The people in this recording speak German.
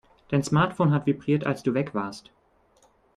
Dein Smartphone hat vibriert, als du weg warst.